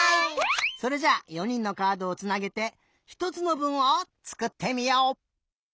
それじゃ４にんのカードをつなげてひとつのぶんをつくってみよう！